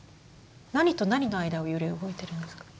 何と何の間を揺れ動いてるんですか？